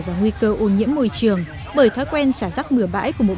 tuy nhiên những vỏ chai nước hộp xốp túi ni lông này